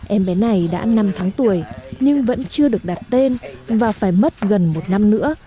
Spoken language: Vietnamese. em bé này đã năm tháng tuổi nhưng vẫn chưa được đặt tên và phải mất gần một năm nữa